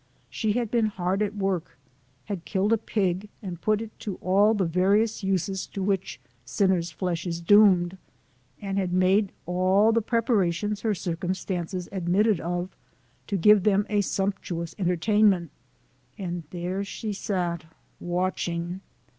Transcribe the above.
She ,had been hard at work, had killed a pig, and put it to all the various uses to which sinner's flesh is doomed, and had made all the preparations her circumstances admitted of, to give them a sumptuous entertainment, and there she sat watching.